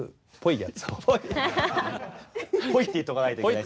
「っぽい」って言っとかないといけない。